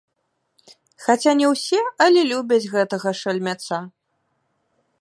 Хаця не ўсе, але любяць гэтага шальмяца.